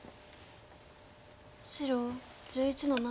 白１１の七。